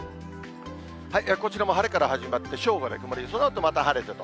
こちらも晴れから始まって正午で曇り、そのあとまた晴れてと。